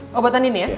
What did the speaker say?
oh buat andien ya